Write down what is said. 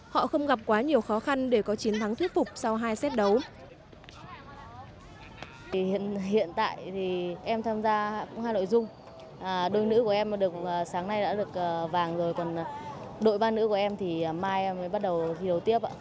họ không gặp quá nhiều khó khăn để có chiến thắng thuyết phục sau hai xét đấu